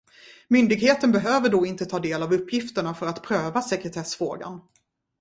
Myndigheten behöver då inte ta del av uppgifterna för att pröva sekretessfrågan.